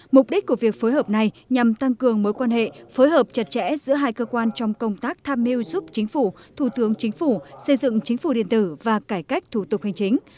mục đích của việc phối hợp này nhằm tăng cường mối quan hệ phối hợp chặt chẽ giữa hai cơ quan trong công tác tham mưu giúp chính phủ thủ tướng chính phủ xây dựng chính phủ điện tử và cải cách thủ tục hành chính